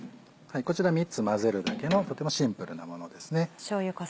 こちら３つ混ぜるだけのとてもシンプルなものですね。